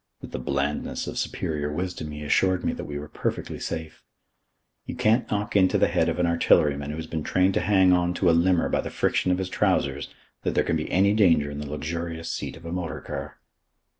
With the blandness of superior wisdom he assured me that we were perfectly safe. You can't knock into the head of an artilleryman who has been trained to hang on to a limber by the friction of his trousers, that there can be any danger in the luxurious seat of a motor car.